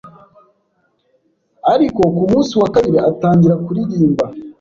ariko ku munsi wa kabiri atangira kuririmba